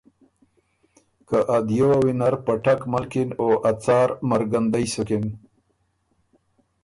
که ا دیو وه وینر په ټک ملکِن ا څار مرګندئ سُکِن۔